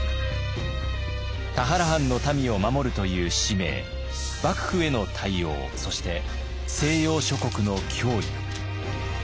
田原藩の民を守るという使命幕府への対応そして西洋諸国の脅威。